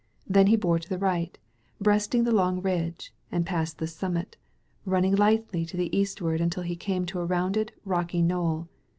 Then he bore to the right, breasting the long ridge, and passed the summit, running lightly to the eastward until he came to a rounded, rocky knoll.